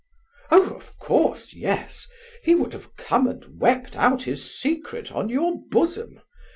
"Oh, of course, yes; he would have come and wept out his secret on your bosom.